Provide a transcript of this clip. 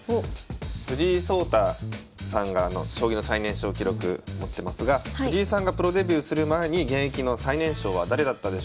藤井聡太さんが将棋の最年少記録持ってますが藤井さんがプロデビューする前に現役の最年少は誰だったでしょうか。